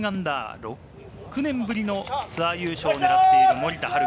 ６年ぶりのツアー優勝を狙っている森田遥。